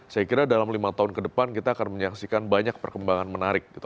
saya kira dalam lima tahun ke depan kita akan menyaksikan banyak perkembangan menarik gitu